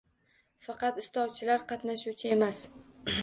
Faqat istovchilar qatnashuvchi emas.